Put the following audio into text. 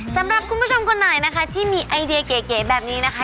สำหรับคุณผู้ชมคนไหนนะคะที่มีไอเดียเก๋แบบนี้นะคะ